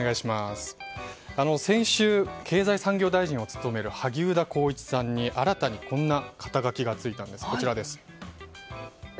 先週、経済産業大臣を務める萩生田光一さんに新たにこんな肩書がついたんです。